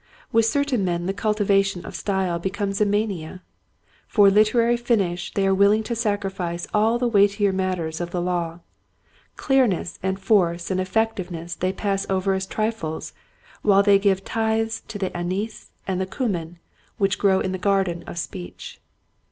With certain men the cultivation of style be comes a mania. For literary finish they are willing to sacrifice all the weightier matters of the law. Clearness and force and effectiveness they pass over as trifles, while they give tithes of the anise and 132 Quiet Hmts to Growing Preachers, cumin which grow in the garden of speech.